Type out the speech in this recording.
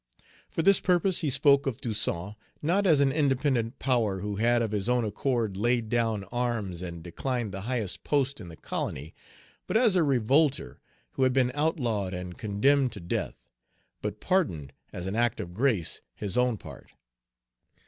For this purpose he spoke of Toussaint, not as an independent power who had of his own accord laid down arms and declined the highest post in the colony, but as a revolter who had been outlawed and condemned to death, but pardoned as an act of grace his own part.